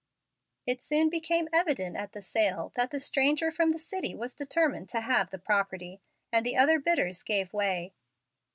It soon became evident at the sale that the stranger from the city was determined to have the property, and the other bidders gave way.